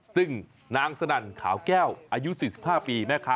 ซึ่งนางสนั่นขาวแก้วอายุ๔๕ปีแม่ค้า